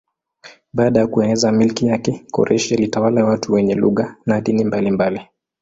Baada ya kueneza milki yake Koreshi alitawala watu wenye lugha na dini mbalimbali.